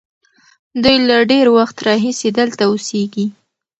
دوی له ډېر وخت راهیسې دلته اوسېږي.